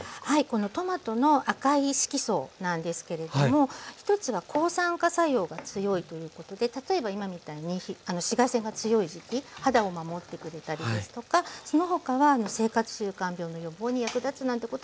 このトマトの赤い色素なんですけれども１つは抗酸化作用が強いということで例えば今みたいに紫外線が強い時期肌を守ってくれたりですとかその他は生活習慣病の予防に役立つなんてことも分かってきてます。